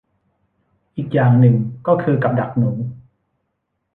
อีกอย่างหนึ่งก็คือกับดักหนู